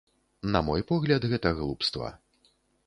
На мой погляд, гэта глупства.